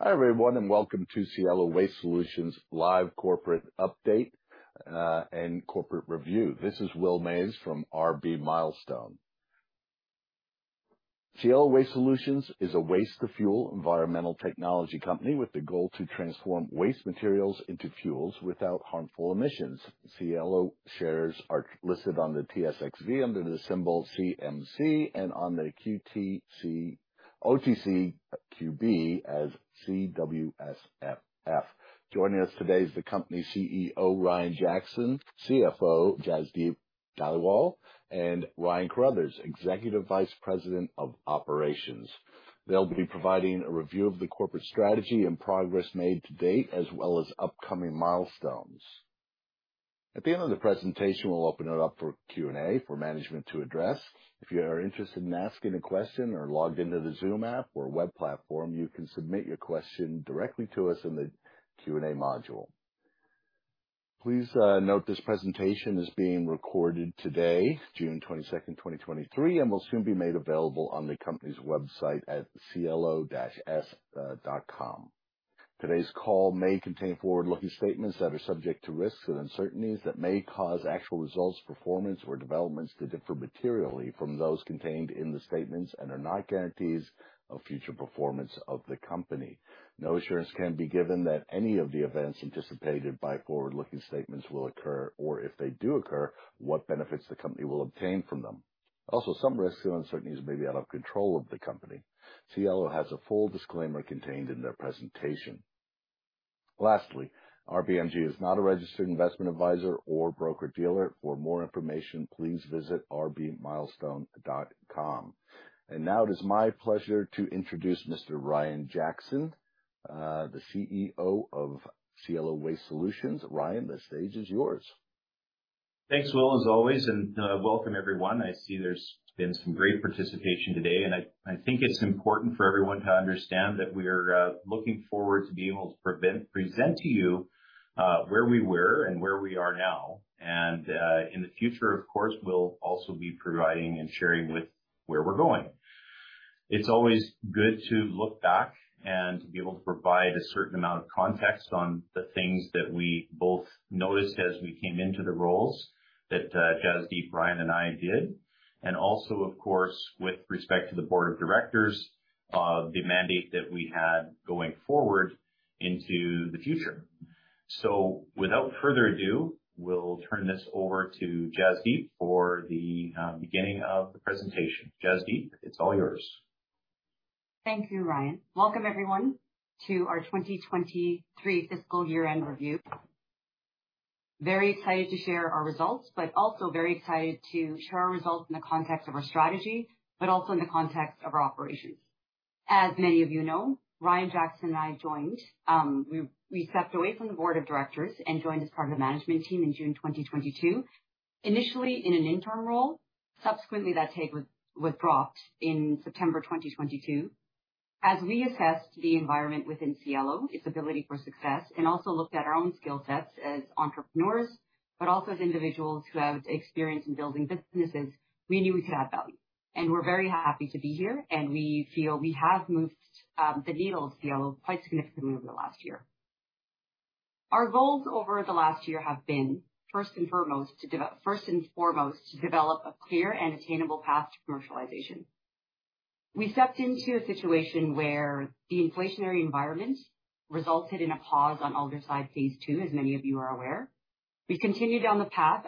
Hi, everyone, and welcome to Cielo Waste Solutions' live corporate update and corporate review. This is Will Maze from RB Milestone. Cielo Waste Solutions is a waste-to-fuel environmental technology company with the goal to transform waste materials into fuels without harmful emissions. Cielo shares are listed on the TSXV under the symbol CMC and on the OTCQB as CWSFF. Joining us today is the company CEO, Ryan Jackson, CFO, Jasdeep Dhaliwal, and Ryan Carruthers, EVP of Operations. They'll be providing a review of the corporate strategy and progress made to date, as well as upcoming milestones. At the end of the presentation, we'll open it up for Q&A for management to address. If you are interested in asking a question or logged into the Zoom app or web platform, you can submit your question directly to us in the Q&A module. Please note this presentation is being recorded today, June 22nd, 2023, and will soon be made available on the company's website at cielows.com. Today's call may contain forward-looking statements that are subject to risks and uncertainties that may cause actual results, performance, or developments to differ materially from those contained in the statements and are not guarantees of future performance of the company. No assurance can be given that any of the events anticipated by forward-looking statements will occur, or if they do occur, what benefits the company will obtain from them. Also, some risks and uncertainties may be out of control of the company. Cielo has a full disclaimer contained in their presentation. Lastly, RBMG is not a registered investment advisor or broker-dealer. For more information, please visit rbmilestone.com. Now it is my pleasure to introduce Mr. Ryan Jackson, the CEO of Cielo Waste Solutions. Ryan, the stage is yours. Thanks, Will, as always. Welcome, everyone. I see there's been some great participation today, and I think it's important for everyone to understand that we're looking forward to being able to present to you where we were and where we are now. In the future, of course, we'll also be providing and sharing with where we're going. It's always good to look back and be able to provide a certain amount of context on the things that we both noticed as we came into the roles that Jasdeep Dhaliwal, and I did, and also, of course, with respect to the board of directors, the mandate that we had going forward into the future. Without further ado, we'll turn this over to Jasdeep for the beginning of the presentation. Jasdeep, it's all yours. Thank you, Ryan. Welcome, everyone, to our 2023 fiscal year-end review. Very excited to share our results, but also very excited to share our results in the context of our strategy, but also in the context of our operations. As many of you know, Ryan Jackson and I joined, we stepped away from the board of directors and joined as part of the management team in June 2022, initially in an interim role. Subsequently, that title was dropped in September 2022. As we assessed the environment within Cielo, its ability for success, and also looked at our own skill sets as entrepreneurs, but also as individuals who have experience in building businesses, we knew we could add value. We're very happy to be here, and we feel we have moved the needle at Cielo quite significantly over the last year. Our goals over the last year have been, first and foremost, to develop a clear and attainable path to commercialization. We stepped into a situation where the inflationary environment resulted in a pause on Aldersyde Phase 2, as many of you are aware. We continued down the path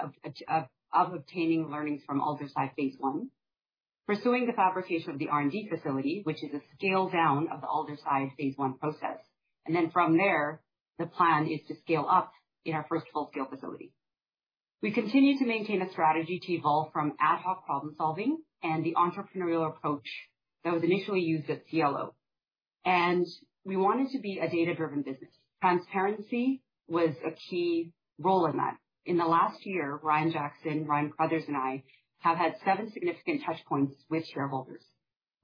of obtaining learnings from Aldersyde Phase 1, pursuing the fabrication of the R&D facility, which is a scale down of the Aldersyde Phase 1 process, and then from there, the plan is to scale up in our first full-scale facility. We continue to maintain a strategy to evolve from ad hoc problem-solving and the entrepreneurial approach that was initially used at Cielo, and we wanted to be a data-driven business. Transparency was a key role in that. In the last year, Ryan Jackson, Ryan Carruthers, and I have had 7 significant touch points with shareholders.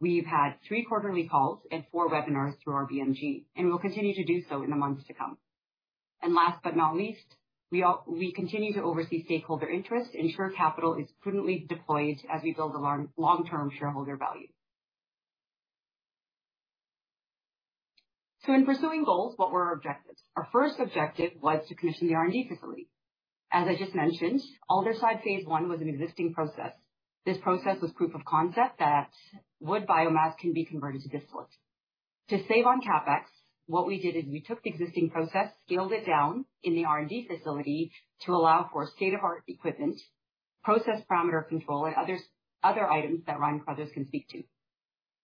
We've had 3 quarterly calls and 4 webinars through RBMG, we'll continue to do so in the months to come. Last but not least, we continue to oversee stakeholder interest, ensure capital is prudently deployed as we build a long-term shareholder value. In pursuing goals, what were our objectives? Our first objective was to commission the R&D facility. As I just mentioned, Aldersyde Phase 1 was an existing process. This process was proof of concept that wood biomass can be converted to distillate. To save on CapEx, what we did is we took the existing process, scaled it down in the R&D facility to allow for state-of-the-art equipment, process parameter control, and other items that Ryan Carruthers can speak to.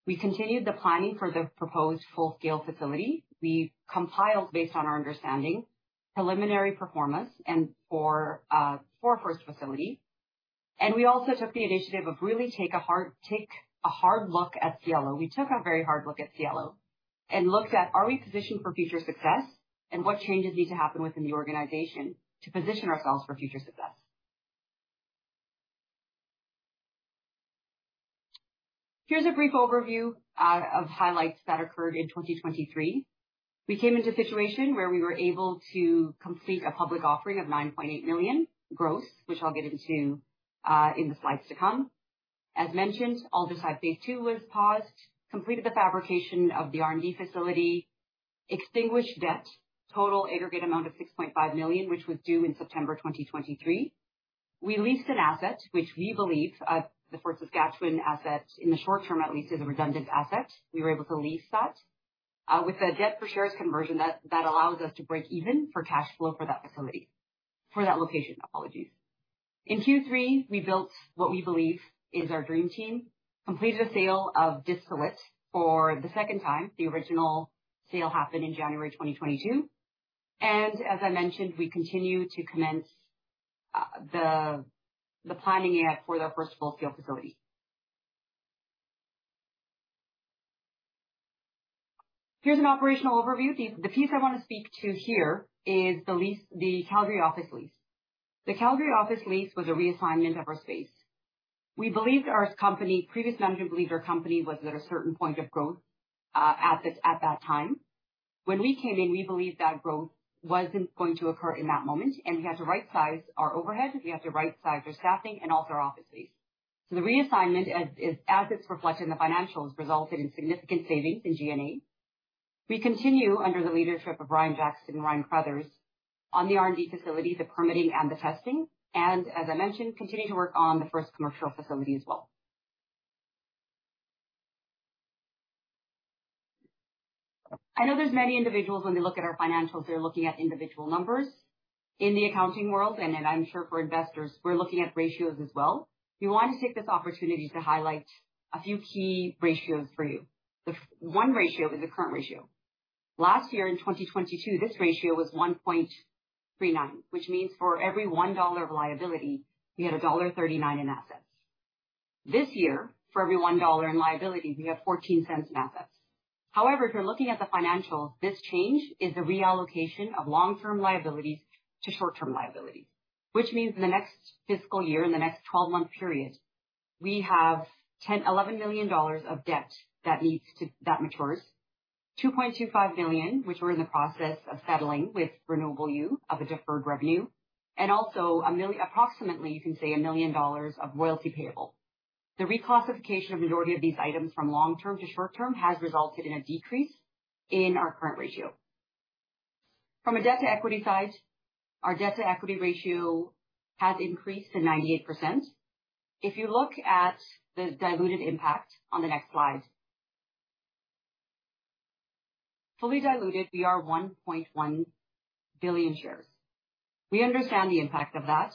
We continued the planning for the proposed full-scale facility. We compiled, based on our understanding, preliminary performance and for first facility, and we also took the initiative of really take a hard look at Cielo. We took a very hard look at Cielo and looked at: Are we positioned for future success? What changes need to happen within the organization to position ourselves for future success? Here's a brief overview of highlights that occurred in 2023. We came into a situation where we were able to complete a public offering of 9.8 million gross, which I'll get into in the slides to come. As mentioned, Aldersyde Phase 2 was paused, completed the fabrication of the R&D facility, extinguished debt, total aggregate amount of 6.5 million, which was due in September 2023. We leased an asset, which we believe, the Fort Saskatchewan asset, in the short term at least, is a redundant asset. We were able to lease that with the debt for shares conversion, that allows us to break even for cash flow for that location, apologies. In Q3, we built what we believe is our dream team, completed a sale of distillate for the second time. The original sale happened in January 2022. As I mentioned, we continue to commence the planning app for their first full-scale facility. Here's an operational overview. The piece I want to speak to here is the Calgary office lease. The Calgary office lease was a reassignment of our space. Previous management believed our company was at a certain point of growth at this, at that time. When we came in, we believed that growth wasn't going to occur in that moment, we had to rightsize our overhead. We had to rightsize our staffing and also our office space. The reassignment, as it's reflected in the financials, resulted in significant savings in G&A. We continue, under the leadership of Ryan Jackson and Ryan Carruthers, on the R&D facility, the permitting and the testing, and as I mentioned, continue to work on the first commercial facility as well. I know there's many individuals, when they look at our financials, they're looking at individual numbers. In the accounting world, and I'm sure for investors, we're looking at ratios as well. We want to take this opportunity to highlight a few key ratios for you. The one ratio is the current ratio. Last year, in 2022, this ratio was 1.39, which means for every 1 dollar of liability, we had dollar 1.39 in assets. This year, for every 1 dollar in liability, we have 0.14 in assets. If you're looking at the financials, this change is a reallocation of long-term liabilities to short-term liabilities. In the next fiscal year, in the next 12-month period, we have 10-11 million dollars of debt that matures. 2.25 million, which we're in the process of settling with Renewable U, of a deferred revenue, and also 1 million dollars of royalty payable. The reclassification of majority of these items from long term to short term has resulted in a decrease in our current ratio. From a debt to equity side, our debt to equity ratio has increased to 98%. If you look at the diluted impact on the next slide. Fully diluted, we are 1.1 billion shares. We understand the impact of that.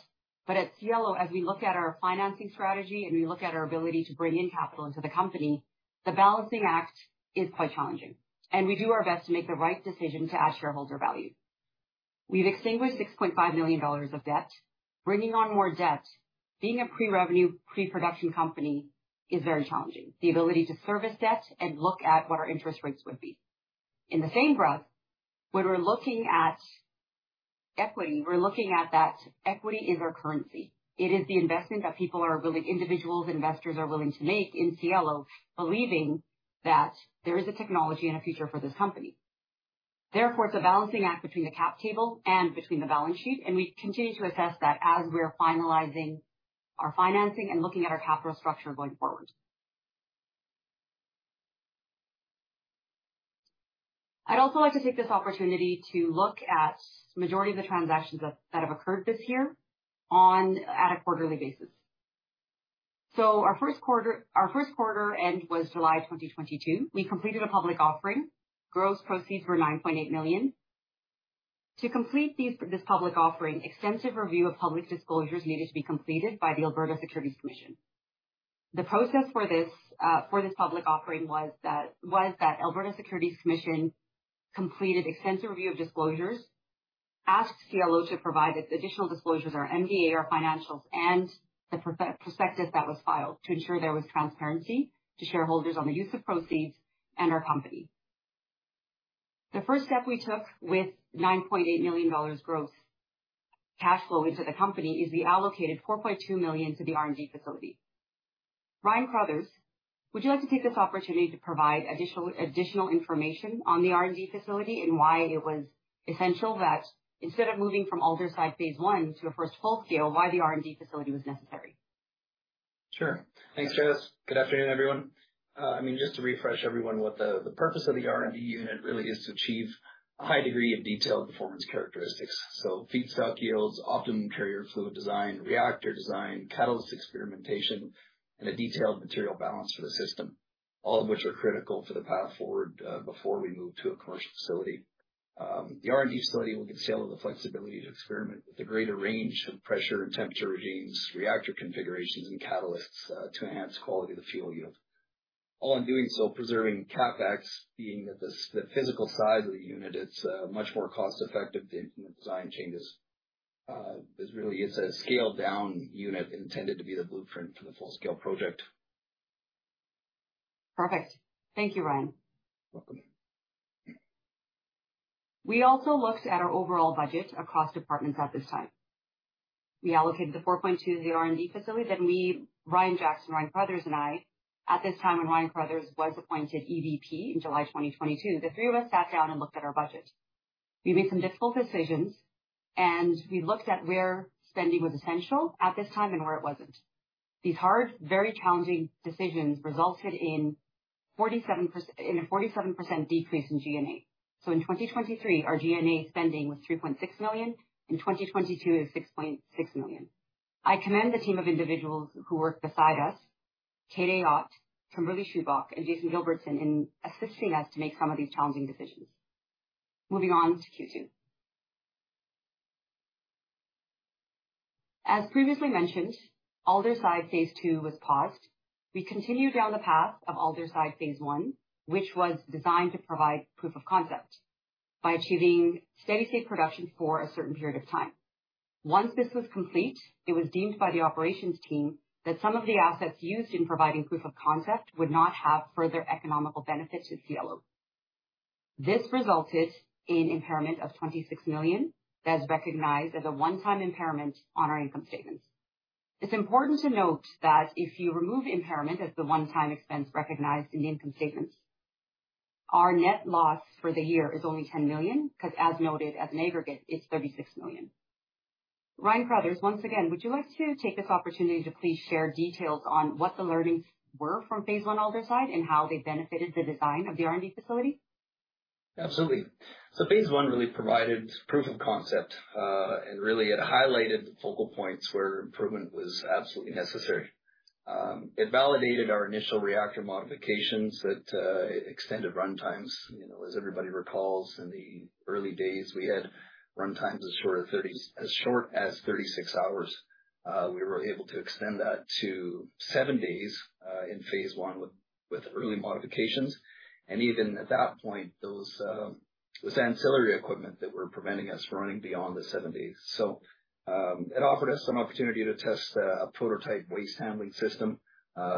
At Cielo, as we look at our financing strategy and we look at our ability to bring in capital into the company, the balancing act is quite challenging, and we do our best to make the right decision to add shareholder value. We've extinguished 6.5 million dollars of debt. Bringing on more debt, being a pre-revenue, pre-production company, is very challenging. The ability to service debt and look at what our interest rates would be. In the same breath, when we're looking at equity, we're looking at that equity is our currency. It is the investment that people are willing individuals, investors, are willing to make in Cielo, believing that there is a technology and a future for this company. It's a balancing act between the cap table and between the balance sheet, and we continue to assess that as we are finalizing our financing and looking at our capital structure going forward. I'd also like to take this opportunity to look at majority of the transactions that have occurred this year on a quarterly basis. Our Q1, our Q1 end was July 2022. We completed a public offering. Gross proceeds were 9.8 million. To complete this public offering, extensive review of public disclosures needed to be completed by the Alberta Securities Commission. The process for this, for this public offering was that Alberta Securities Commission completed extensive review of disclosures, asked Cielo to provide its additional disclosures, our MDA, our financials, and the prospectus that was filed, to ensure there was transparency to shareholders on the use of proceeds and our company. The first step we took with 9.8 million dollars gross cash flow into the company is we allocated 4.2 million to the R&D facility. Ryan Carruthers, would you like to take this opportunity to provide additional information on the R&D facility and why it was essential that instead of moving from Aldersyde Phase 1 to a first full scale, why the R&D facility was necessary? Sure. Thanks Jas. Good afternoon, everyone. Just to refresh everyone, what the purpose of the R&D unit really is to achieve a high degree of detailed performance characteristics. So feedstock yields, optimum carrier fluid design, reactor design, catalyst experimentation, and a detailed material balance for the system, all of which are critical for the path forward, before we move to a commercial facility. The R&D facility will give Cielo the flexibility to experiment with a greater range of pressure and temperature regimes, reactor configurations, and catalysts to enhance quality of the fuel yield. All in doing so, preserving CapEx, being that the physical size of the unit, it's much more cost effective to implement design changes. This really is a scaled-down unit intended to be the blueprint for the full-scale project. Perfect. Thank you, Ryan. Welcome. We also looked at our overall budget across departments at this time. We allocated 4.2 to the R&D facility. We, Ryan Jackson, Ryan Carruthers and I, at this time, and Ryan Carruthers was appointed EVP in July 2022. The three of us sat down and looked at our budget. We made some difficult decisions, and we looked at where spending was essential at this time and where it wasn't. These hard, very challenging decisions resulted in a 47% decrease in G&A. In 2023, our G&A spending was 3.6 million. In 2022, it was 6.6 million. I commend the team of individuals who worked beside us, Katie Ott, Kimberly Schubach, and Jason Gilbertson, in assisting us to make some of these challenging decisions. Moving on to Q2. As previously mentioned, Aldersyde Phase 2 was paused. We continued down the path of Aldersyde Phase 1, which was designed to provide proof of concept by achieving steady state production for a certain period of time. Once this was complete, it was deemed by the operations team that some of the assets used in providing proof of concept would not have further economical benefit to Cielo. This resulted in impairment of 26 million that is recognized as a one-time impairment on our income statements. It's important to note that if you remove impairment as the one-time expense recognized in the income statements, our net loss for the year is only 10 million, because as noted, as an aggregate, it's 36 million. Ryan Carruthers, once again, would you like to take this opportunity to please share details on what the learnings were from Aldersyde Phase 1 and how they benefited the design of the R&D facility? Absolutely. Phase 1 really provided proof of concept, and really it highlighted focal points where improvement was absolutely necessary. It validated our initial reactor modifications that extended runtimes. You know, as everybody recalls, in the early days, we had runtimes as short as 36 hours. We were able to extend that to 7 days in Phase 1 with early modifications. And even at that point, it was ancillary equipment that were preventing us from running beyond the 7 days. It offered us some opportunity to test a prototype waste handling system,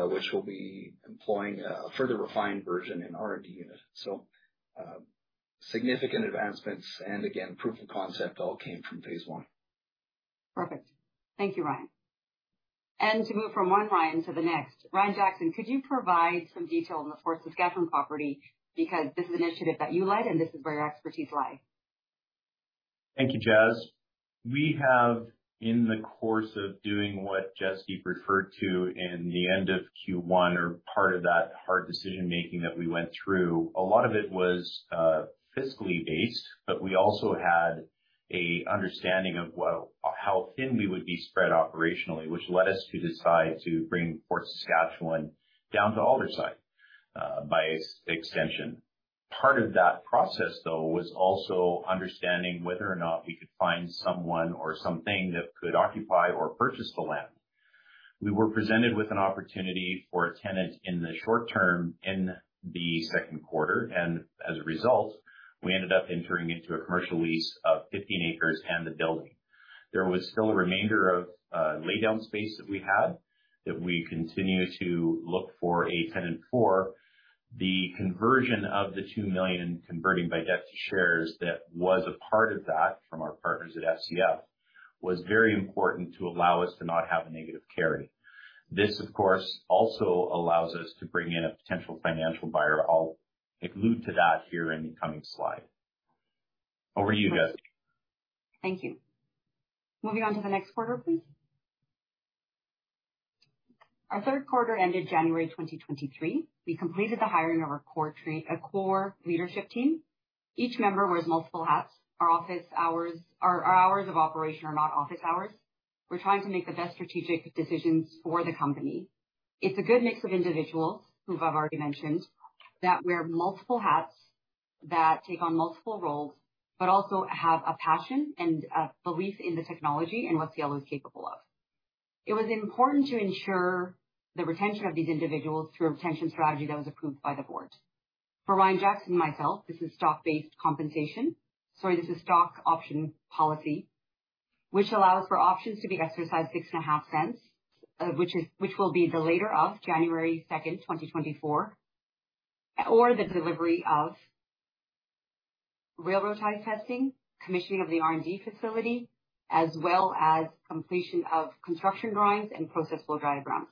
which we'll be employing a further refined version in R&D unit. Significant advancements and again, proof of concept all came from Phase 1. Perfect. Thank you, Ryan. To move from one Ryan to the next, Ryan Jackson, could you provide some detail on the Fort Saskatchewan property? Because this is an initiative that you led, and this is where your expertise lie. Thank you, Jas. We have, in the course of doing what Jasdeep referred to in the end of Q1, or part of that hard decision-making that we went through, a lot of it was fiscally based, but we also had a understanding of how thin we would be spread operationally, which led us to decide to bring Fort Saskatchewan down to Aldersyde, by extension. Part of that process, though, was also understanding whether or not we could find someone or something that could occupy or purchase the land. We were presented with an opportunity for a tenant in the short term, in the Q2. As a result, we ended up entering into a commercial lease of 15 acres and the building. There was still a remainder of laydown space that we had, that we continue to look for a tenant for. The conversion of the 2 million converting by debt to shares that was a part of that from our partners at SCF, was very important to allow us to not have a negative carry. This, of course, also allows us to bring in a potential financial buyer. I'll allude to that here in the coming slide. Over to you, Jas. Thank you. Moving on to the next quarter, please. Our Q3 ended January 2023. We completed the hiring of our core leadership team. Each member wears multiple hats. Our hours of operation are not office hours. We're trying to make the best strategic decisions for the company. It's a good mix of individuals, who I've already mentioned, that wear multiple hats, that take on multiple roles, but also have a passion and a belief in the technology and what Cielo is capable of. It was important to ensure the retention of these individuals through a retention strategy that was approved by the board. For Ryan Jackson and myself, this is stock-based compensation. Sorry, this is stock option policy, which allows for options to be exercised at six and a half cents, which will be the later of January 2, 2024, or the delivery of railroad tie testing, commissioning of the R&D facility, as well as completion of construction drawings and process flow diagrams.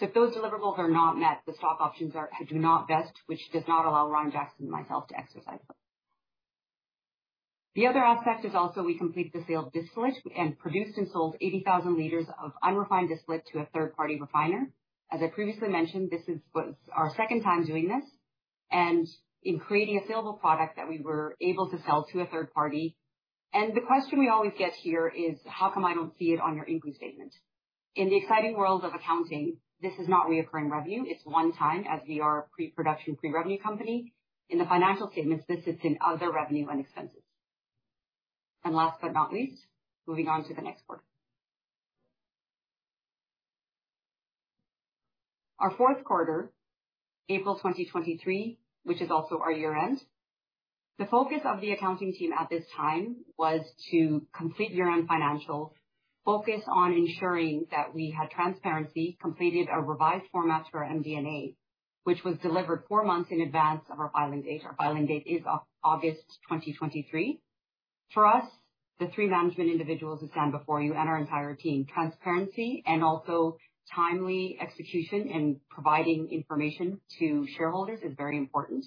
If those deliverables are not met, the stock options are do not vest, which does not allow Ryan Jackson and myself to exercise them. The other aspect is also we completed the sale of distillate and produced and sold 80,000 liters of unrefined distillate to a third-party refiner. As I previously mentioned, this is our second time doing this, in creating a saleable product that we were able to sell to a third party. The question we always get here is: How come I don't see it on your income statement? In the exciting world of accounting, this is not recurring revenue. It's one time, as we are a pre-production, pre-revenue company. In the financial statements, this is in other revenue and expenses. Last but not least, moving on to the next quarter. Our Q4, April 2023, which is also our year-end. The focus of the accounting team at this time was to complete year-end financials, focus on ensuring that we had transparency, completed a revised format for MD&A, which was delivered 4 months in advance of our filing date. Our filing date is August 2023. For us, the 3 management individuals who stand before you and our entire team, transparency and also timely execution and providing information to shareholders is very important.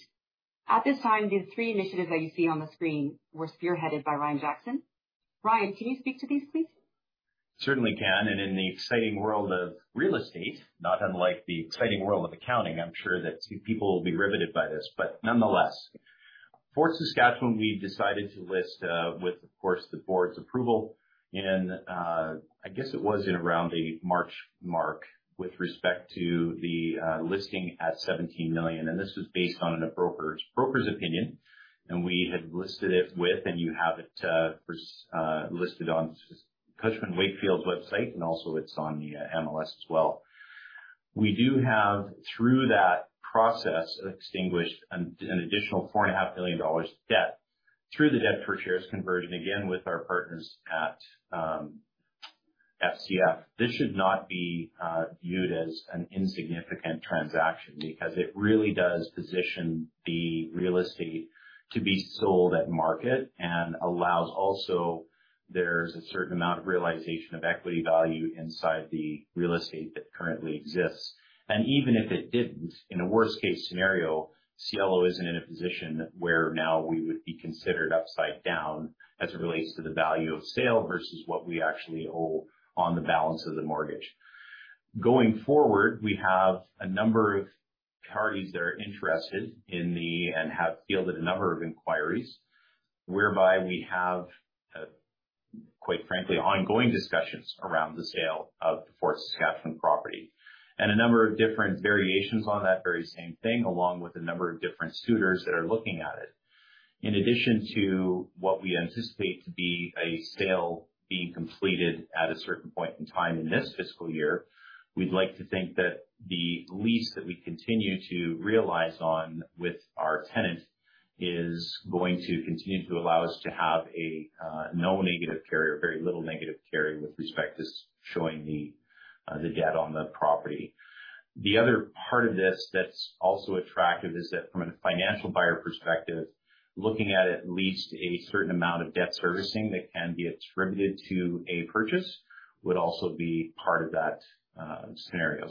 At this time, the three initiatives that you see on the screen were spearheaded by Ryan Jackson. Ryan, can you speak to these, please? Certainly can. In the exciting world of real estate, not unlike the exciting world of accounting, I'm sure that people will be riveted by this. Nonetheless, Fort Saskatchewan, we've decided to list with, of course, the board's approval, and I guess it was in around the March mark with respect to the listing at 17 million. This was based on a broker's opinion, and we had listed it with, and you have it first listed on Cushman & Wakefield's website, and also it's on the MLS as well. We do have, through that process, extinguished an additional four and a half million dollars debt through the debt for shares converted, again, with our partners at SCF. This should not be viewed as an insignificant transaction, because it really does position the real estate to be sold at market and allows also there's a certain amount of realization of equity value inside the real estate that currently exists. Even if it didn't, in a worst-case scenario, Cielo isn't in a position where now we would be considered upside down as it relates to the value of sale versus what we actually owe on the balance of the mortgage. Going forward, we have a number of parties that are interested and have fielded a number of inquiries, whereby we have, quite frankly, ongoing discussions around the sale of the Fort Saskatchewan property. A number of different variations on that very same thing, along with a number of different suitors that are looking at it. In addition to what we anticipate to be a sale being completed at a certain point in time in this fiscal year, we'd like to think that the lease that we continue to realize on with our tenant is going to continue to allow us to have a no negative carry or very little negative carry with respect to showing the debt on the property. The other part of this that's also attractive is that from a financial buyer perspective, looking at at least a certain amount of debt servicing that can be attributed to a purchase would also be part of that scenario.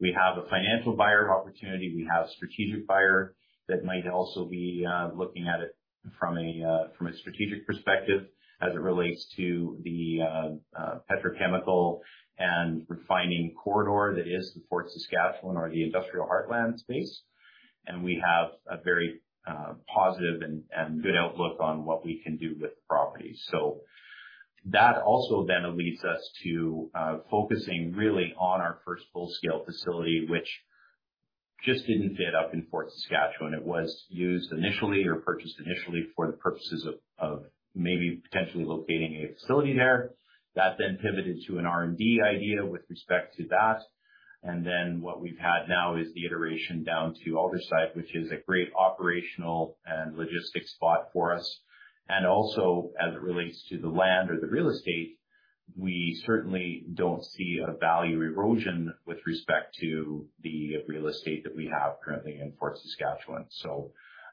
We have a financial buyer opportunity. We have strategic buyer that might also be looking at it from a from a strategic perspective as it relates to the petrochemical and refining corridor that is the Fort Saskatchewan or the industrial heartland space. We have a very positive and good outlook on what we can do with the property. That also then leads us to focusing really on our first full-scale facility, which just didn't fit up in Fort Saskatchewan. It was used initially or purchased initially for the purposes of maybe potentially locating a facility there. That then pivoted to an R&D idea with respect to that. What we've had now is the iteration down to Aldersyde, which is a great operational and logistics spot for us. Also, as it relates to the land or the real estate, we certainly don't see a value erosion with respect to the real estate that we have currently in Fort Saskatchewan.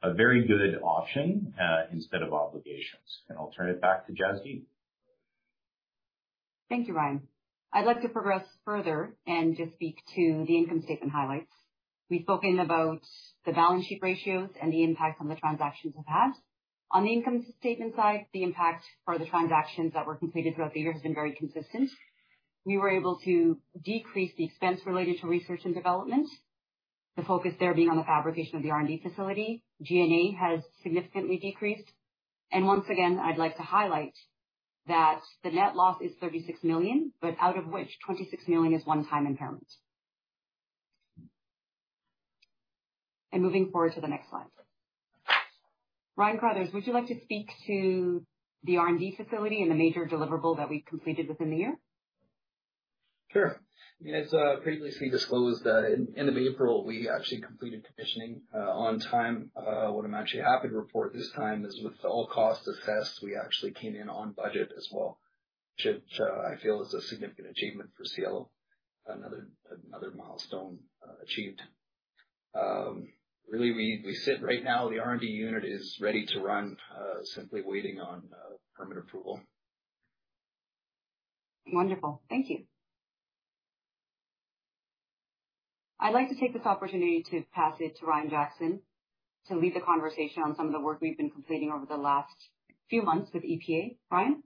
A very good option, instead of obligations. I'll turn it back to Jasdeep. Thank you, Ryan. I'd like to progress further and just speak to the income statement highlights. We've spoken about the balance sheet ratios and the impact on the transactions we've had. On the income statement side, the impact or the transactions that were completed throughout the year has been very consistent. We were able to decrease the expense related to research and development, the focus there being on the fabrication of the R&D facility. G&A has significantly decreased. And once again, I'd like to highlight that the net loss is 36 million, but out of which 26 million is one-time impairment. Moving forward to the next slide. Ryan Carruthers, would you like to speak to the R&D facility and the major deliverable that we completed within the year? Sure. As previously disclosed, in, end of April, we actually completed commissioning on time. What I'm actually happy to report this time is, with all costs assessed, we actually came in on budget as well, which I feel is a significant achievement for Cielo. Another milestone achieved. Really, we sit right now, the R&D unit is ready to run, simply waiting on permit approval. Wonderful. Thank you. I'd like to take this opportunity to pass it to Ryan Jackson to lead the conversation on some of the work we've been completing over the last few months with EPA. Ryan?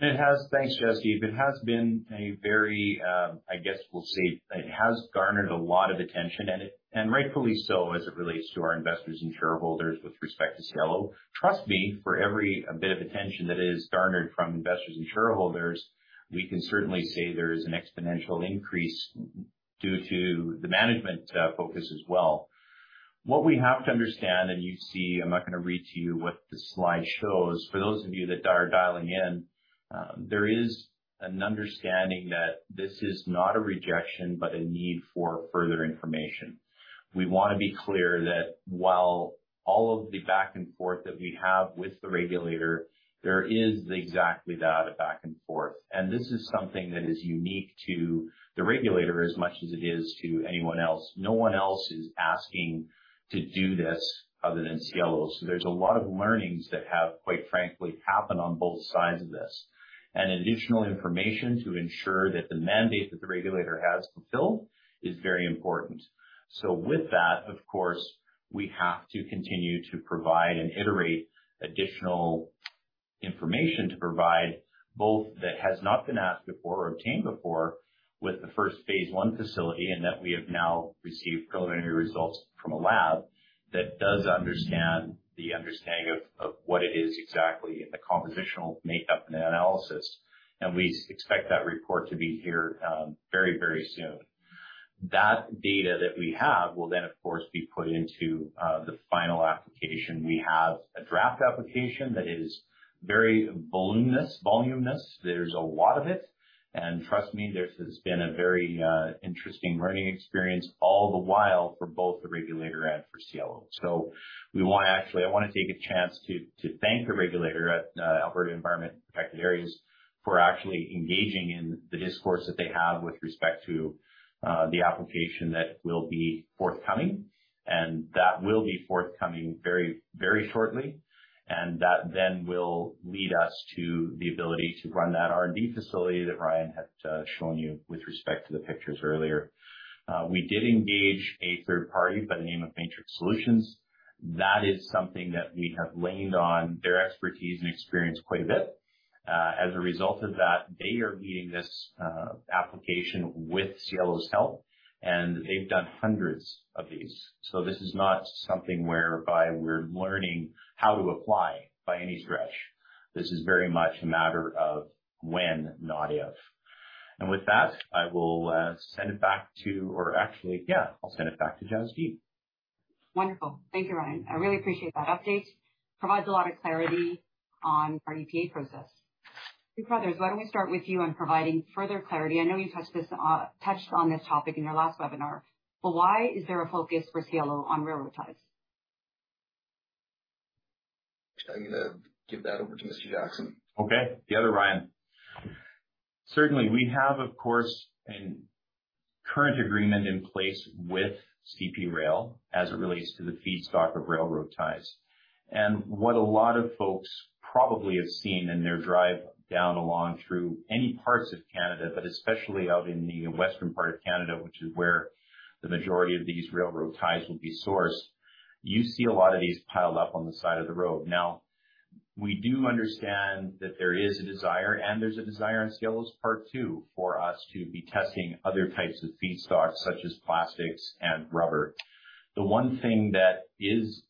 Thanks, Jasdeep. It has been a very, I guess we'll say, it has garnered a lot of attention, and rightfully so, as it relates to our investors and shareholders with respect to Cielo. Trust me, for every bit of attention that is garnered from investors and shareholders, we can certainly say there is an exponential increase due to the management focus as well. What we have to understand, and you see, I'm not going to read to you what the slide shows. For those of you that are dialing in, there is an understanding that this is not a rejection, but a need for further information. We want to be clear that while all of the back and forth that we have with the regulator, there is exactly that, a back and forth. This is something that is unique to the regulator as much as it is to anyone else. No one else is asking to do this other than Cielo. There's a lot of learnings that have, quite frankly, happened on both sides of this, and additional information to ensure that the mandate that the regulator has fulfilled is very important. With that, of course, we have to continue to provide and iterate additional information to provide both, that has not been asked before or obtained before with the first phase 1 facility, and that we have now received preliminary results from a lab that does understand the understanding of what it is exactly and the compositional makeup and analysis. We expect that report to be here, very, very soon. That data that we have will then, of course, be put into the final application. We have a draft application that is very voluminous. There's a lot of it, and trust me, this has been a very interesting learning experience all the while for both the regulator and for Cielo. We want to take a chance to thank the regulator at Alberta Environment and Protected Areas, for actually engaging in the discourse that they have with respect to the application that will be forthcoming. That will be forthcoming very, very shortly. That then will lead us to the ability to run that R&D facility that Ryan had shown you with respect to the pictures earlier. We did engage a third party by the name of Matrix Solutions. That is something that we have leaned on their expertise and experience quite a bit. As a result of that, they are leading this application with Cielo's help, and they've done hundreds of these. This is not something whereby we're learning how to apply by any stretch. This is very much a matter of when, not if. With that, I will send it back to or actually, yeah, I'll send it back to Jasdeep. Wonderful. Thank you, Ryan. I really appreciate that update. Provides a lot of clarity on our EPA process. Carruthers, why don't we start with you on providing further clarity? I know you touched this, touched on this topic in your last webinar, but why is there a focus for Cielo on railroad ties? I'm gonna give that over to Mr. Jackson. Okay. The other Ryan. Certainly, we have, of course, a current agreement in place with CP Rail as it relates to the feedstock of railroad ties. What a lot of folks probably have seen in their drive down along through any parts of Canada, but especially out in the western part of Canada, which is where the majority of these railroad ties will be sourced. You see a lot of these piled up on the side of the road. We do understand that there is a desire, and there's a desire on Cielo's part, too, for us to be testing other types of feedstocks, such as plastics and rubber. The one thing that is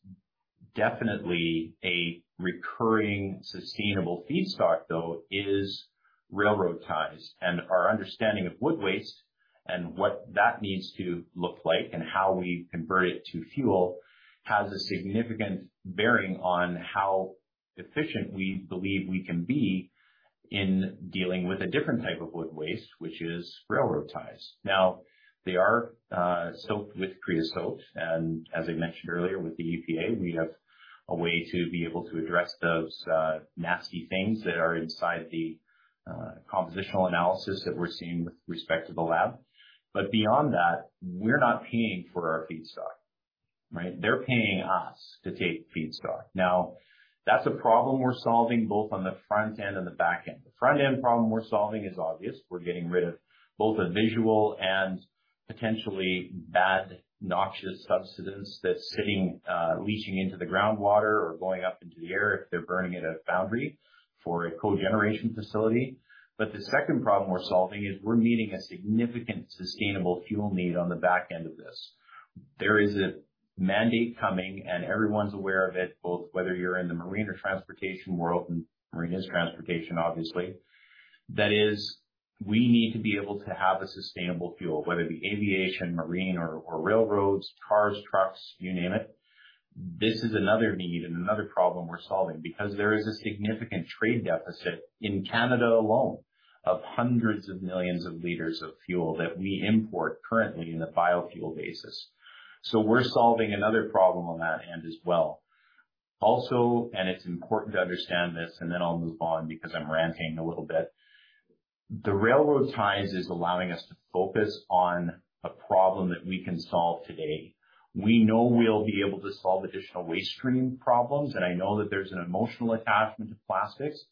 definitely a recurring sustainable feedstock, though, is railroad ties. Our understanding of wood waste and what that needs to look like and how we convert it to fuel, has a significant bearing on how efficient we believe we can be in dealing with a different type of wood waste, which is railroad ties. They are soaked with creosote, and as I mentioned earlier, with the EPA, we have a way to be able to address those nasty things that are inside the compositional analysis that we're seeing with respect to the lab. Beyond that, we're not paying for our feedstock, right? They're paying us to take feedstock. That's a problem we're solving both on the front end and the back end. The front end problem we're solving is obvious. We're getting rid of both a visual and potentially bad, noxious substance that's sitting, leaching into the groundwater or going up into the air if they're burning it at a foundry for a cogeneration facility. The second problem we're solving is we're meeting a significant sustainable fuel need on the back end of this. There is a mandate coming, and everyone's aware of it, both whether you're in the marine or transportation world, and marine is transportation, obviously. That is, we need to be able to have a sustainable fuel, whether it be aviation, marine or railroads, cars, trucks, you name it. This is another need and another problem we're solving, because there is a significant trade deficit in Canada alone of hundreds of millions of liters of fuel that we import currently in the biofuel basis. We're solving another problem on that end as well. It's important to understand this, and then I'll move on because I'm ranting a little bit. The railroad ties is allowing us to focus on a problem that we can solve today. We know we'll be able to solve additional waste stream problems, and I know that there's an emotional attachment to plastics,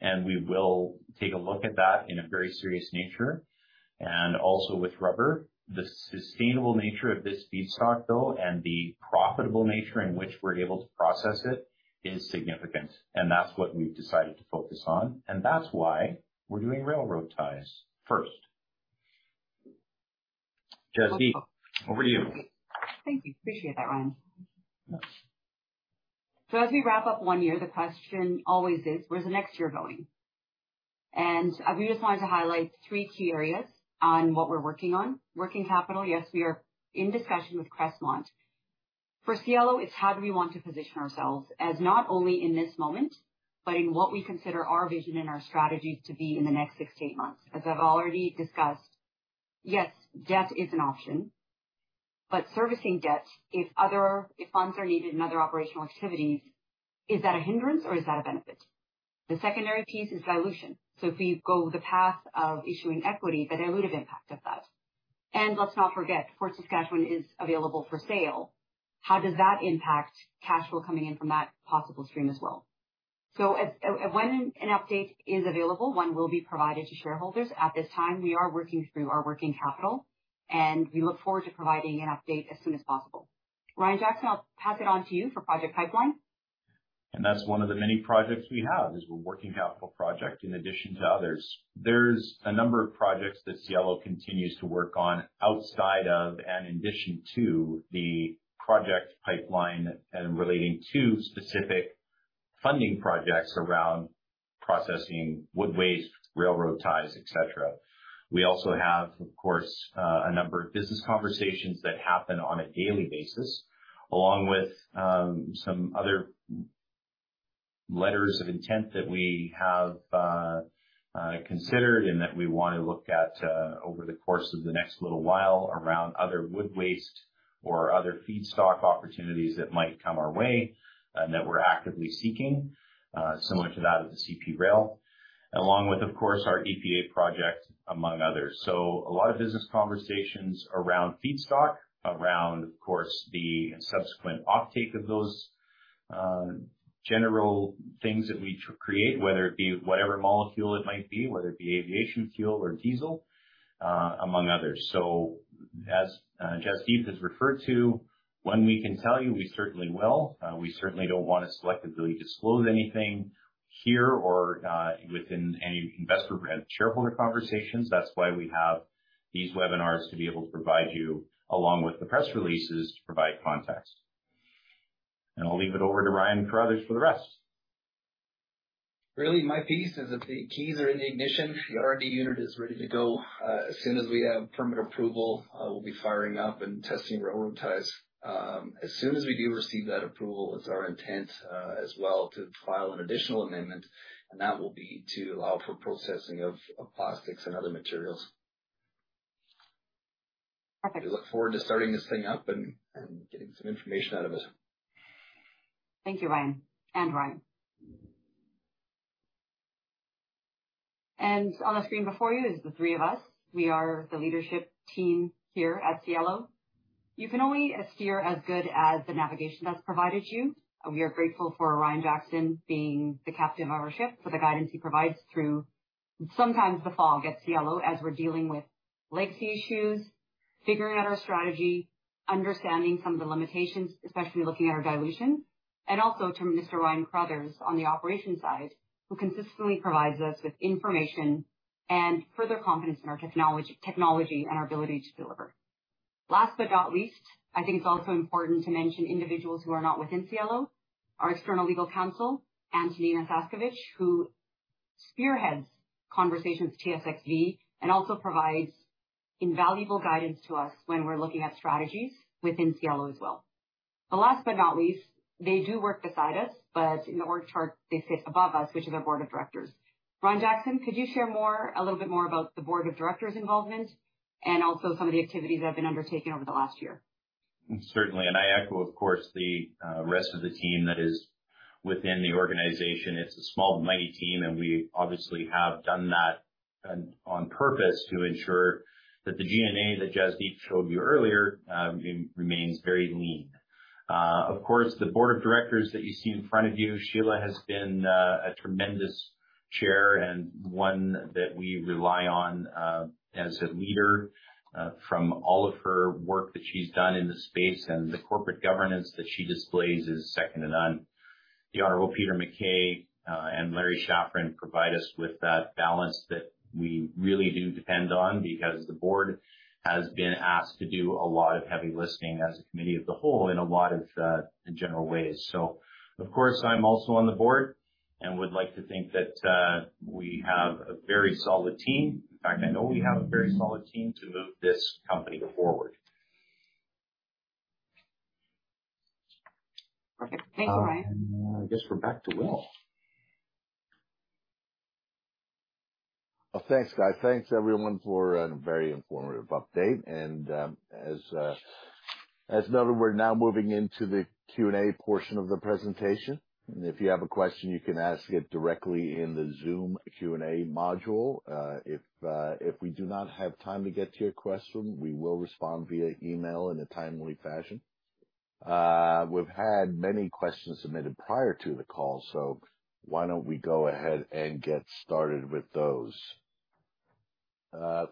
and we will take a look at that in a very serious nature. Also with rubber. The sustainable nature of this feedstock, though, and the profitable nature in which we're able to process it, is significant, and that's what we've decided to focus on, and that's why we're doing railroad ties first. Jasdeep, over to you. Thank you. Appreciate that, Ryan. Yes. As we wrap up one year, the question always is: Where's the next year going? I just wanted to highlight three key areas on what we're working on. Working capital, yes, we are in discussion with Crestmont. For Cielo, it's how do we want to position ourselves as not only in this moment, but in what we consider our vision and our strategy to be in the next six to eight months? As I've already discussed, yes, debt is an option, but servicing debt, if funds are needed in other operational activities, is that a hindrance or is that a benefit? The secondary piece is dilution. If we go the path of issuing equity, the dilutive impact of that, and let's not forget, Fort Saskatchewan is available for sale. How does that impact cash flow coming in from that possible stream as well? As when an update is available, one will be provided to shareholders. At this time, we are working through our working capital. We look forward to providing an update as soon as possible. Ryan Jackson, I'll pass it on to you for project pipeline. That's one of the many projects we have, is a working capital project in addition to others. There's a number of projects that Cielo continues to work on outside of, and in addition to, the project pipeline and relating to specific funding projects around processing wood waste, railroad ties, et cetera. We also have, of course, a number of business conversations that happen on a daily basis, along with, some other letters of intent that we have, considered and that we want to look at, over the course of the next little while around other wood waste or other feedstock opportunities that might come our way, and that we're actively seeking, similar to that of the CP Rail, along with, of course, our EPA project, among others. A lot of business conversations around feedstock, around, of course, the subsequent offtake of those, general things that we create, whether it be whatever molecule it might be, whether it be aviation fuel or diesel, among others. As Jasdeep has referred to, when we can tell you, we certainly will. We certainly don't want to selectively disclose anything here or within any investor and shareholder conversations. That's why we have these webinars, to be able to provide you, along with the press releases, to provide context. I'll leave it over to Ryan Carruthers for the rest. Really, my piece is that the keys are in the ignition. The R&D unit is ready to go. As soon as we have permit approval, we'll be firing up and testing railroad ties. As soon as we do receive that approval, it's our intent, as well, to file an additional amendment, that will be to allow for processing of plastics and other materials. Perfect. We look forward to starting this thing up and getting some information out of it. Thank you, Ryan and Ryan. On the screen before you is the three of us. We are the leadership team here at Cielo. You can only steer as good as the navigation that's provided you. We are grateful for Ryan Jackson being the captain of our ship, for the guidance he provides. Sometimes the fall gets yellow as we're dealing with legacy issues, figuring out our strategy, understanding some of the limitations, especially looking at our dilution, and also to Mr. Ryan Carruthers on the operations side, who consistently provides us with information and further confidence in our technology and our ability to deliver. Last but not least, I think it's also important to mention individuals who are not within Cielo, our external legal counsel, Antonina Saskovic, who spearheads conversations with TSXV and also provides invaluable guidance to us when we're looking at strategies within Cielo as well. Last but not least, they do work beside us, but in the org chart, they sit above us, which is our board of directors. Ryan Jackson, could you share more, a little bit more about the board of directors' involvement and also some of the activities that have been undertaken over the last year? Certainly. I echo, of course, the rest of the team that is within the organization. It's a small but mighty team, we obviously have done that on purpose to ensure that the G&A that Jasdeep showed you earlier, remains very lean. Of course, the board of directors that you see in front of you, Sheila has been a tremendous chair and one that we rely on as a leader from all of her work that she's done in this space. The corporate governance that she displays is second to none. The Honorable Peter MacKay and Larry Schafran provide us with that balance that we really do depend on, because the board has been asked to do a lot of heavy listening as a committee of the whole in a lot of in general ways. Of course, I'm also on the board and would like to think that we have a very solid team. In fact, I know we have a very solid team to move this company forward. Perfect. Thank you, Ryan. I guess we're back to Will. Well, thanks, guys. Thanks, everyone, for a very informative update. As noted, we're now moving into the Q&A portion of the presentation. If you have a question, you can ask it directly in the Zoom Q&A module. If we do not have time to get to your question, we will respond via email in a timely fashion. We've had many questions submitted prior to the call, so why don't we go ahead and get started with those?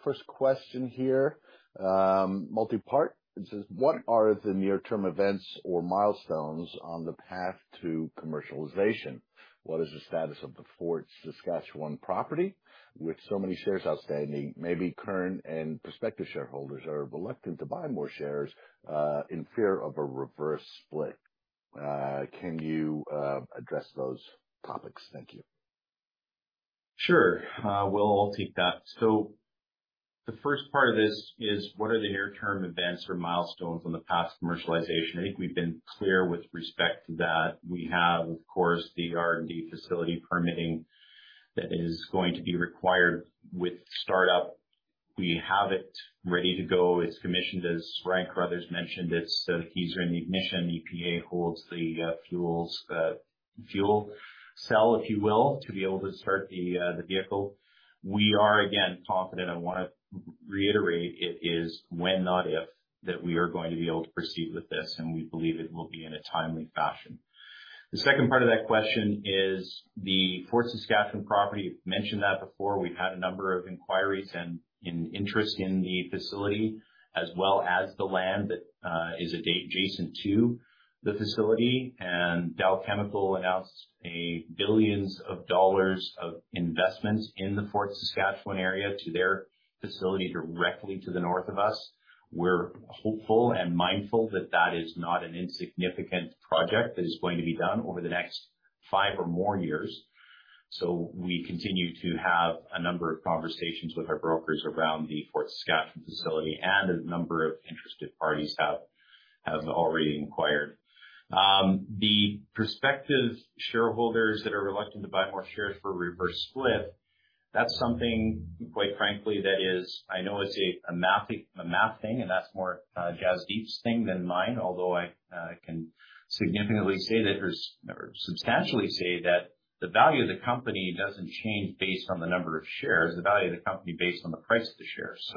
First question here, multipart. It says: What are the near-term events or milestones on the path to commercialization? What is the status of the Fort Saskatchewan property? With so many shares outstanding, maybe current and prospective shareholders are reluctant to buy more shares in fear of a reverse split. Can you address those topics? Thank you. Sure, Will, I'll take that. The first part of this is what are the near-term events or milestones on the path to commercialization? I think we've been clear with respect to that. We have, of course, the R&D facility permitting that is going to be required with startup. We have it ready to go. It's commissioned, as Frank or others mentioned it, so the keys are in the ignition. EPA holds the fuels, fuel cell, if you will, to be able to start the vehicle. We are, again, confident. I want to reiterate, it is when, not if, that we are going to be able to proceed with this, and we believe it will be in a timely fashion. The second part of that question is the Fort Saskatchewan property. Mentioned that before. We've had a number of inquiries and interest in the facility, as well as the land that is adjacent to the facility. Dow Inc. announced a billions of dollars of investments in the Fort Saskatchewan area to their facility directly to the north of us. We're hopeful and mindful that that is not an insignificant project that is going to be done over the next 5 or more years. We continue to have a number of conversations with our brokers around the Fort Saskatchewan facility, and a number of interested parties have already inquired. The prospective shareholders that are reluctant to buy more shares for a reverse split, that's something, quite frankly, that is. I know it's a math thing, and that's more Jasdeep's thing than mine, although I can significantly say that there's, or substantially say that the value of the company doesn't change based on the number of shares. The value of the company is based on the price of the shares.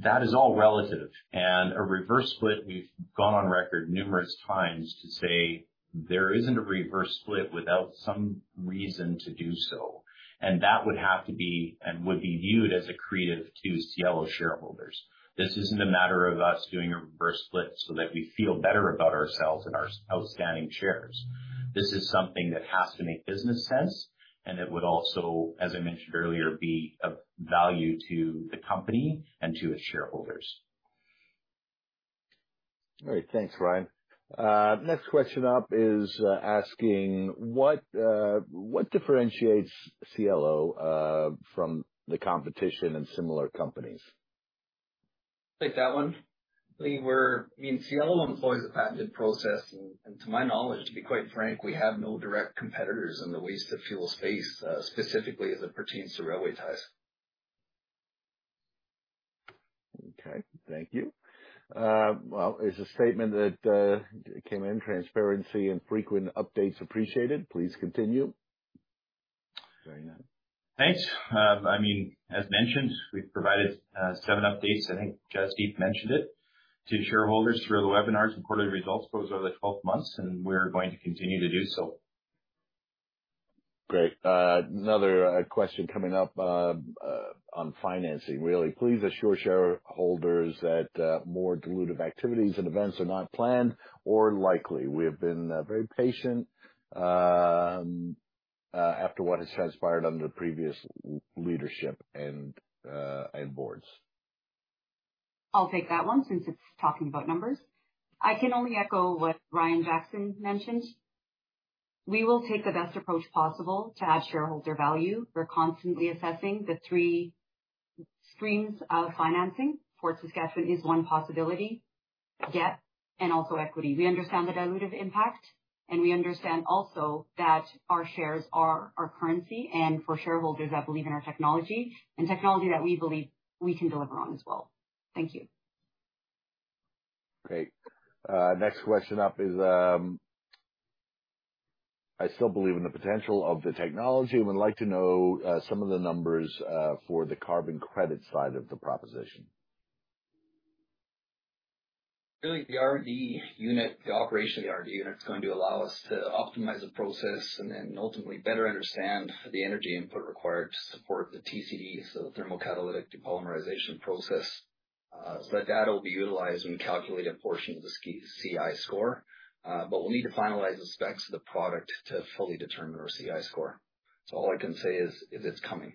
That is all relative. A reverse split, we've gone on record numerous times to say there isn't a reverse split without some reason to do so, and that would have to be, and would be viewed as accretive to Cielo shareholders. This isn't a matter of us doing a reverse split so that we feel better about ourselves and our outstanding shares. This is something that has to make business sense, and it would also, as I mentioned earlier, be of value to the company and to its shareholders. All right. Thanks, Ryan. next question up is, asking: What, what differentiates Cielo, from the competition and similar companies? I'll take that one. I mean, Cielo employs a patented process, and to my knowledge, to be quite frank, we have no direct competitors in the waste-to-fuel space, specifically as it pertains to railway ties. Okay. Thank you. Well, there's a statement that came in Transparency and frequent updates appreciated. Please continue. carrying on. Thanks. I mean, as mentioned, we've provided 7 updates, I think Jasdeep mentioned it, to shareholders through the webinars and quarterly results over the 12 months. We're going to continue to do so. Great. Another question coming up on financing: Will you please assure shareholders that more dilutive activities and events are not planned or likely? We have been very patient after what has transpired under the previous leadership and boards. I'll take that one since it's talking about numbers. I can only echo what Ryan Jackson mentioned. We will take the best approach possible to add shareholder value. We're constantly assessing the 3 streams of financing. Fort Saskatchewan is one possibility, debt and also equity. We understand the dilutive impact, and we understand also that our shares are our currency and for shareholders that believe in our technology, and technology that we believe we can deliver on as well. Thank you. Great. next question up is: I still believe in the potential of the technology and would like to know some of the numbers for the carbon credit side of the proposition. Really, the R&D unit, the operation of the R&D unit, is going to allow us to optimize the process and then ultimately better understand the energy input required to support the TCD, so the thermal catalytic depolymerization process. That data will be utilized when we calculate a portion of the CI score. We'll need to finalize the specs of the product to fully determine our CI score. All I can say is, it's coming.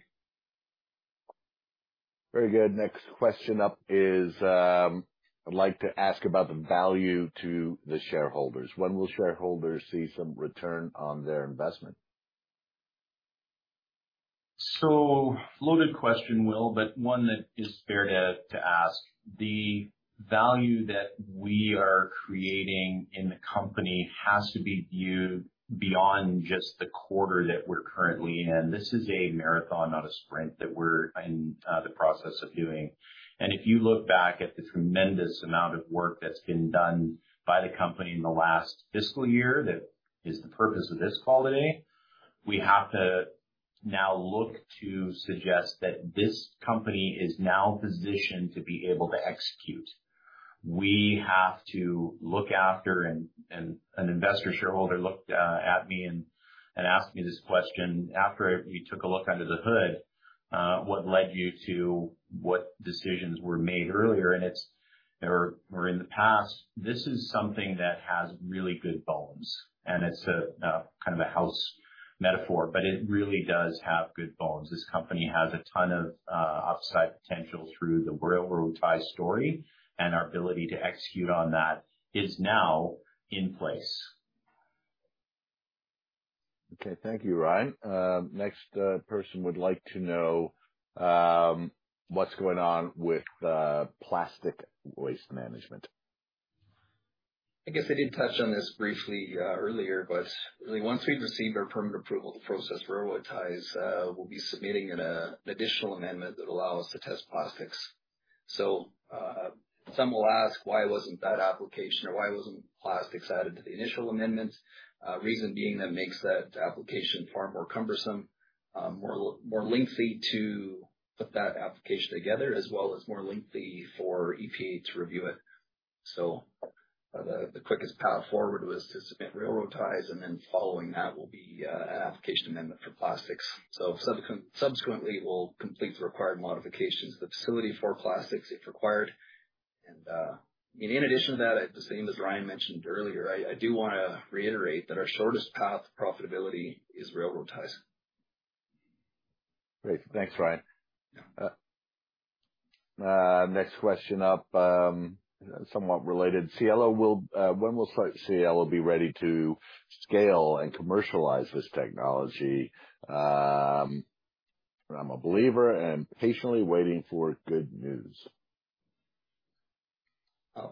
Very good. Next question up is: I'd like to ask about the value to the shareholders. When will shareholders see some return on their investment? Loaded question, Will, but one that is fair to ask. The value that we are creating in the company has to be viewed beyond just the quarter that we're currently in. This is a marathon, not a sprint, that we're in the process of doing. If you look back at the tremendous amount of work that's been done by the company in the last fiscal year, that is the purpose of this call today, we have to now look to suggest that this company is now positioned to be able to execute. We have to look after... An investor shareholder looked at me and asked me this question after he took a look under the hood, "What led you to what decisions were made earlier?" In the past, this is something that has really good bones, and it's a kind of a house metaphor, but it really does have good bones. This company has a ton of upside potential through the railroad tie story, and our ability to execute on that is now in place. Okay, thank you, Ryan. next person would like to know what's going on with plastic waste management? I guess I did touch on this briefly, earlier, but really once we've received our permit approval to process railroad ties, we'll be submitting an additional amendment that allows to test plastics. Some will ask, why wasn't that application or why wasn't plastics added to the initial amendment? Reason being that makes that application far more cumbersome, more lengthy to put that application together, as well as more lengthy for EPA to review it. The quickest path forward was to submit railroad ties, and then following that will be an application amendment for plastics. Subsequently, we'll complete the required modifications to the facility for plastics if required. In addition to that, the same as Ryan mentioned earlier, I do wanna reiterate that our shortest path to profitability is railroad ties. Great. Thanks, Ryan. Yeah. Next question up, somewhat related. When will Cielo be ready to scale and commercialize this technology? I'm a believer and patiently waiting for good news.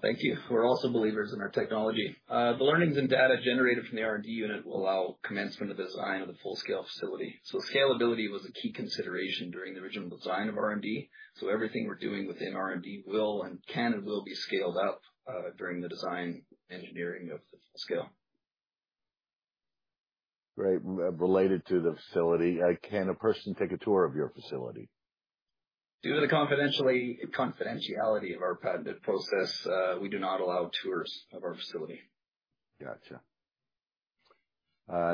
Thank you. We're also believers in our technology. The learnings and data generated from the R&D unit will allow commencement of design of the full-scale facility. Scalability was a key consideration during the original design of R&D. Everything we're doing within R&D will, and can and will be scaled up during the design engineering of the full scale. Great. Related to the facility, can a person take a tour of your facility? Due to the confidentiality of our patented process, we do not allow tours of our facility. Gotcha.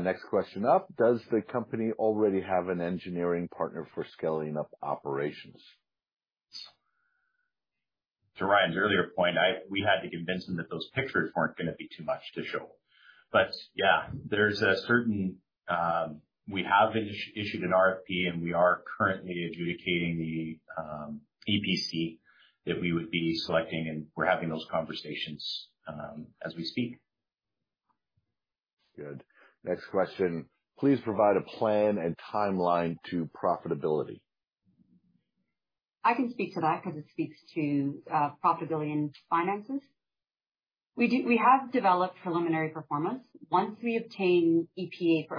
Next question up: Does the company already have an engineering partner for scaling up operations? To Ryan's earlier point, we had to convince him that those pictures weren't going to be too much to show. We have issued an RFP, and we are currently adjudicating the EPC, that we would be selecting, and we're having those conversations as we speak. Good. Next question: Please provide a plan and timeline to profitability. I can speak to that because it speaks to profitability and finances. We have developed preliminary performance. Once we obtain EPA for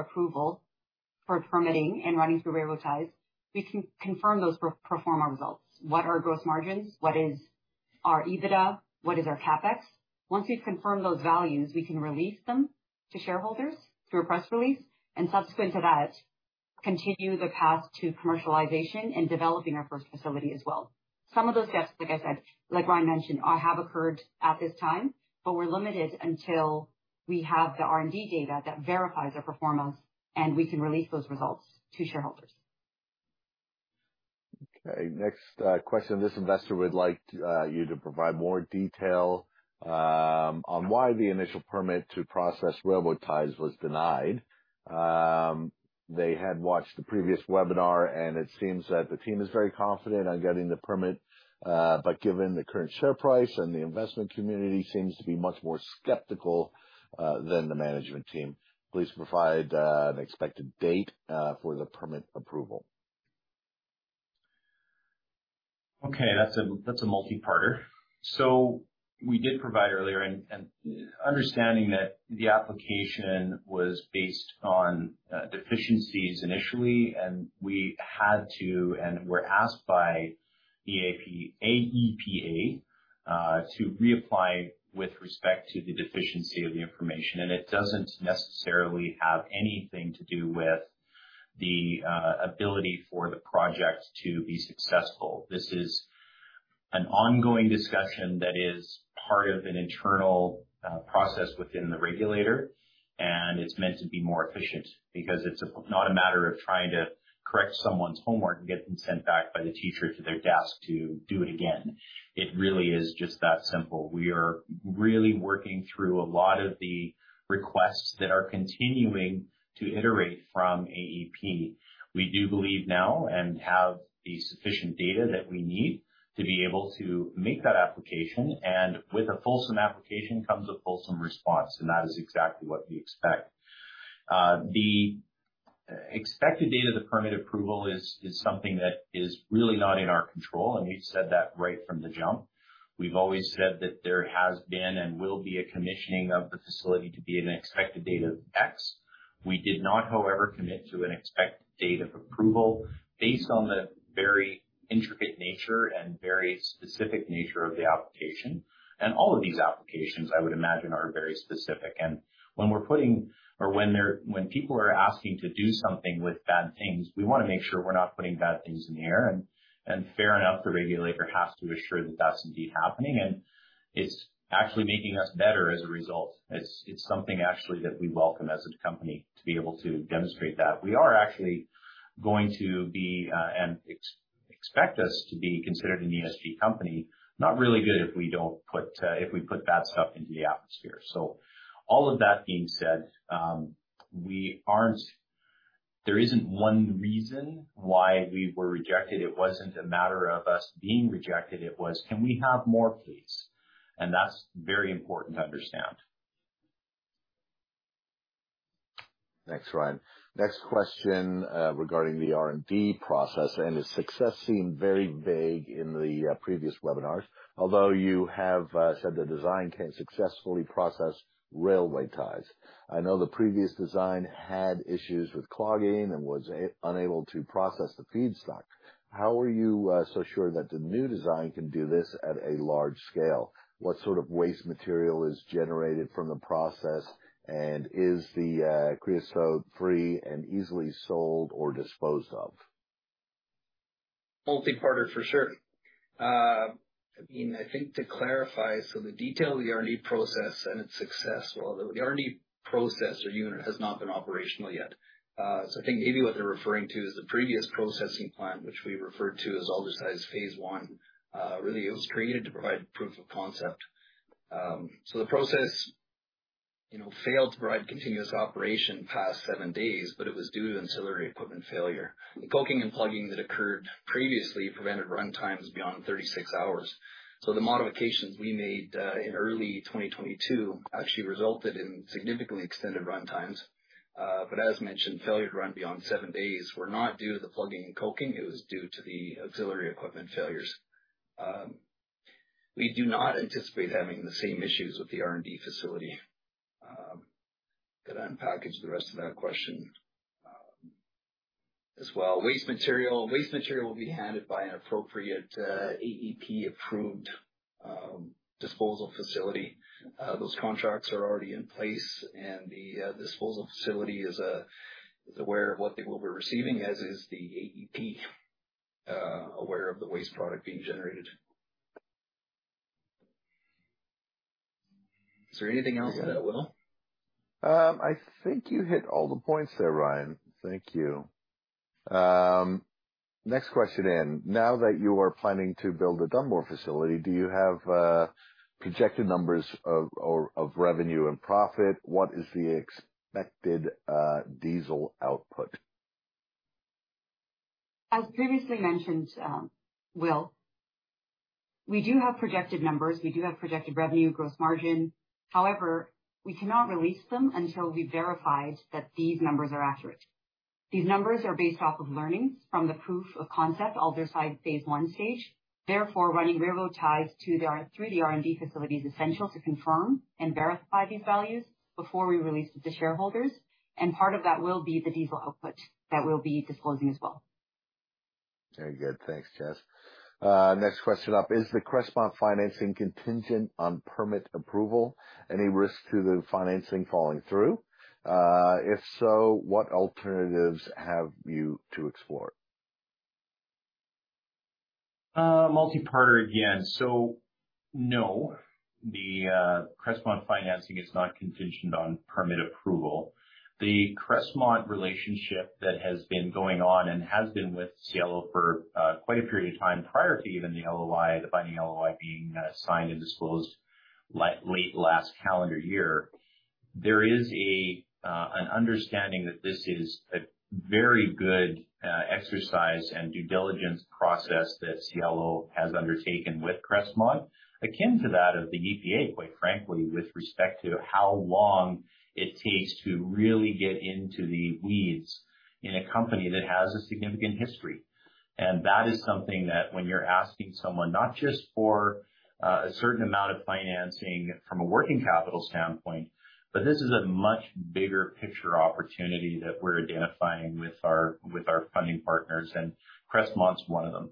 approval for permitting and running through railroad ties, we can confirm those proforma results. What are our gross margins? What is our EBITDA? What is our CapEx? Once we've confirmed those values, we can release them to shareholders through a press release and subsequent to that, continue the path to commercialization and developing our first facility as well. Some of those steps, like I said, like Ryan mentioned, all have occurred at this time, we're limited until we have the R&D data that verifies our performance, and we can release those results to shareholders. Okay, next question. This investor would like you to provide more detail on why the initial permit to process railroad ties was denied. They had watched the previous webinar, and it seems that the team is very confident on getting the permit, but given the current share price and the investment community seems to be much more skeptical than the management team. Please provide an expected date for the permit approval. That's a multi-parter. We did provide earlier and understanding that the application was based on deficiencies initially, and we had to and were asked by the AEP to reapply with respect to the deficiency of the information, and it doesn't necessarily have anything to do with the ability for the project to be successful. This is an ongoing discussion that is part of an internal process within the regulator, and it's meant to be more efficient because it's not a matter of trying to correct someone's homework and get them sent back by the teacher to their desk to do it again. It really is just that simple. We are really working through a lot of the requests that are continuing to iterate from AEP. We do believe now, and have the sufficient data that we need to be able to make that application, and with a fulsome application comes a fulsome response, and that is exactly what we expect. The expected date of the permit approval is something that is really not in our control, and we've said that right from the jump. We've always said that there has been and will be a commissioning of the facility to be an expected date of X. We did not, however, commit to an expected date of approval based on the very intricate nature and very specific nature of the application. All of these applications, I would imagine, are very specific. When we're putting or when people are asking to do something with bad things, we want to make sure we're not putting bad things in the air, fair enough, the regulator has to assure that that's indeed happening, and it's actually making us better as a result. It's something actually that we welcome as a company to be able to demonstrate that. We are actually going to be, and expect us to be considered an ESG company, not really good if we don't put, if we put bad stuff into the atmosphere. All of that being said, there isn't one reason why we were rejected. It wasn't a matter of us being rejected. It was, "Can we have more, please?" That's very important to understand. Thanks, Ryan. Next question, regarding the R&D process, and its success seemed very vague in the previous webinars, although you have said the design can successfully process railway ties. I know the previous design had issues with clogging and was unable to process the feedstock. How are you so sure that the new design can do this at a large scale? What sort of waste material is generated from the process? Is the creosote free and easily sold or disposed of? Multi-parter, for sure. I mean, I think to clarify, the detail of the R&D process and its success, although the R&D process or unit has not been operational yet. I think maybe what they're referring to is the previous processing plant, which we referred to as Aldersyde Phase 1. Really, it was created to provide proof of concept. The process, you know, failed to provide continuous operation past 7 days, but it was due to ancillary equipment failure. The coking and plugging that occurred previously prevented runtimes beyond 36 hours. The modifications we made in early 2022 actually resulted in significantly extended runtimes. As mentioned, failure to run beyond 7 days were not due to the plugging and coking. It was due to the auxiliary equipment failures. We do not anticipate having the same issues with the R&D facility. Got to unpackage the rest of that question as well. Waste material. Waste material will be handled by an appropriate AEP-approved disposal facility. Those contracts are already in place, and the disposal facility is aware of what they will be receiving, as is the AEP aware of the waste product being generated. Is there anything else to that, Will? I think you hit all the points there, Ryan. Thank you. Next question. Now that you are planning to build a Dunmore facility, do you have projected numbers of revenue and profit? What is the expected diesel output? As previously mentioned, Will, we do have projected numbers. We do have projected revenue, gross margin. We cannot release them until we verified that these numbers are accurate. These numbers are based off of learnings from the proof of concept Aldersyde Phase 1 stage. Running railroad ties through the R&D facility is essential to confirm and verify these values before we release to the shareholders, part of that will be the diesel output that we'll be disclosing as well. Very good. Thanks, Jess. Next question up: Is the Crestmont financing contingent on permit approval? Any risk to the financing falling through? If so, what alternatives have you to explore? Multi-parter again. No, the Crestmont financing is not contingent on permit approval. The Crestmont relationship that has been going on, and has been with Cielo for quite a period of time prior to even the LOI, the binding LOI, being signed and disclosed late last calendar year. There is an understanding that this is a very good exercise and due diligence process that Cielo has undertaken with Crestmont, akin to that of the EPA, quite frankly, with respect to how long it takes to really get into the weeds in a company that has a significant history. That is something that when you're asking someone, not just for, a certain amount of financing from a working capital standpoint, but this is a much bigger picture opportunity that we're identifying with our, with our funding partners, and Crestmont's one of them.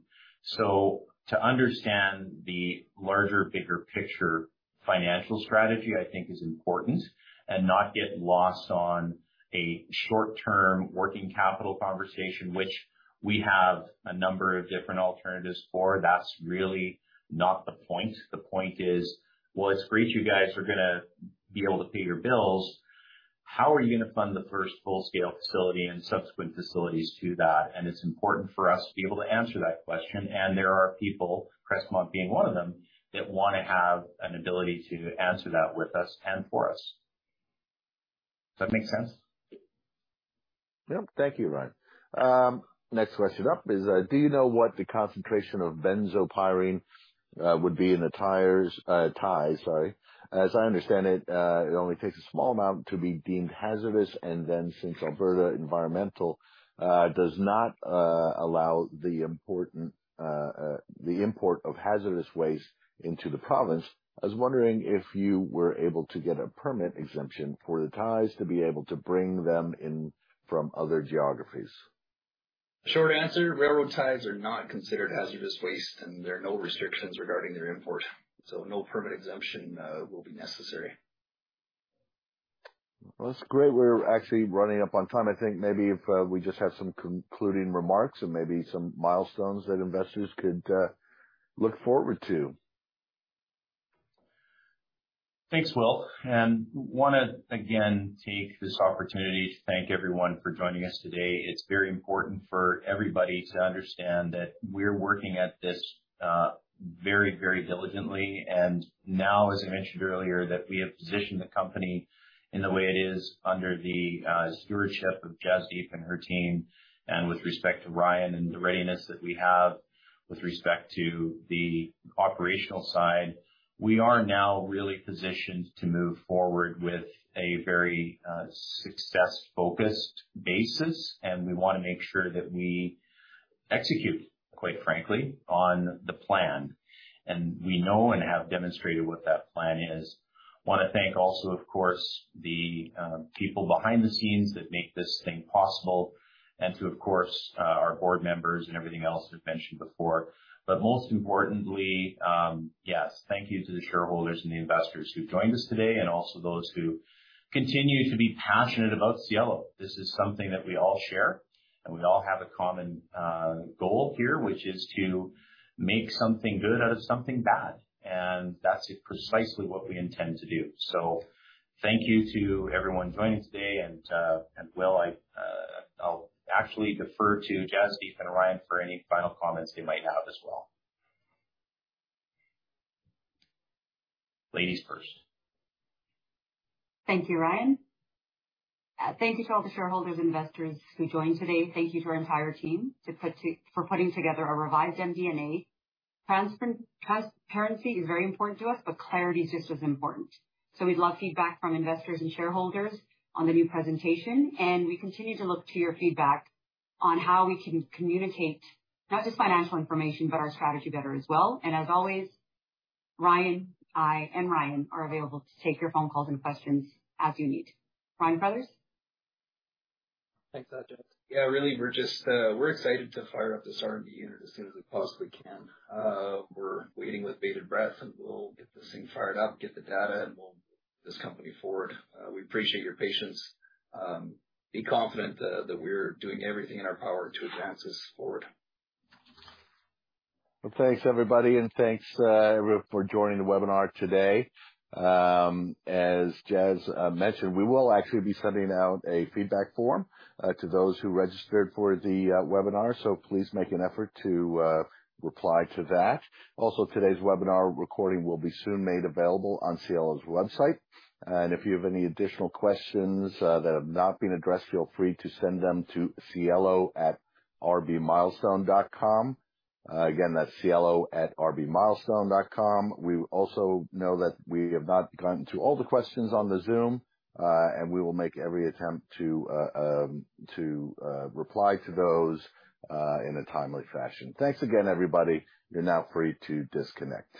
To understand the larger, bigger picture financial strategy, I think is important and not get lost on a short-term working capital conversation, which we have a number of different alternatives for. That's really not the point. The point is: Well, it's great you guys are gonna be able to pay your bills. How are you going to fund the first full-scale facility and subsequent facilities to that? It's important for us to be able to answer that question, and there are people, Crestmont being one of them, that want to have an ability to answer that with us and for us. Does that make sense? Yep. Thank you, Ryan. Next question up is: Do you know what the concentration of benzopyrene would be in the ties, sorry? As I understand it only takes a small amount to be deemed hazardous. Since Alberta Environmental does not allow the import of hazardous waste into the province, I was wondering if you were able to get a permit exemption for the ties to be able to bring them in from other geographies. Short answer, railroad ties are not considered hazardous waste. There are no restrictions regarding their import. No permit exemption will be necessary. Well, that's great. We're actually running up on time. I think maybe if we just had some concluding remarks and maybe some milestones that investors could look forward to. Thanks, Will, want to again, take this opportunity to thank everyone for joining us today. It's very important for everybody to understand that we're working at this very, very diligently. Now, as I mentioned earlier, that we have positioned the company in the way it is under the stewardship of Jasdeep and her team. With respect to Ryan and the readiness that we have with respect to the operational side, we are now really positioned to move forward with a very success-focused basis, and we want to make sure that we execute, quite frankly, on the plan. We know and have demonstrated what that plan is. Want to thank also, of course, the people behind the scenes that make this thing possible, and to, of course, our board members and everything else we've mentioned before. Most importantly, yes, thank you to the shareholders and the investors who joined us today, and also those who continue to be passionate about Cielo. This is something that we all share, and we all have a common goal here, which is to make something good out of something bad, and that's precisely what we intend to do. Thank you to everyone joining today. Will, I'll actually defer to Jasdeep and Ryan for any final comments they might have as well. Ladies first. Thank you, Ryan. Thank you to all the shareholders and investors who joined today. Thank you to our entire team for putting together a revised MD&A. Transparency is very important to us, clarity is just as important. We'd love feedback from investors and shareholders on the new presentation, we continue to look to your feedback on how we can communicate not just financial information, but our strategy better as well. As always, Ryan, I, and Ryan are available to take your phone calls and questions as you need. Ryan Carruthers? Thanks, Jas. Yeah, really, we're just, we're excited to fire up this R&D unit as soon as we possibly can. We're waiting with bated breath, and we'll get this thing fired up, get the data, and we'll move this company forward. We appreciate your patience. Be confident that we're doing everything in our power to advance this forward. Well, thanks, everybody, and thanks, everyone, for joining the webinar today. As Jas mentioned, we will actually be sending out a feedback form to those who registered for the webinar, so please make an effort to reply to that. Today's webinar recording will be soon made available on Cielo's website. If you have any additional questions that have not been addressed, feel free to send them to cielo@rbmilestone.com. Again, that's cielo@rbmilestone.com. We also know that we have not gotten to all the questions on the Zoom, and we will make every attempt to reply to those in a timely fashion. Thanks again, everybody. You're now free to disconnect.